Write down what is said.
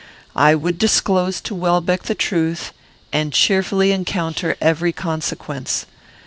I would disclose to Welbeck the truth, and cheerfully encounter every consequence.